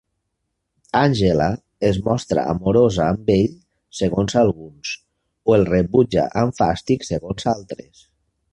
Àngela es mostra amorosa amb ell, segons alguns, o el rebutja amb fàstic segons altres.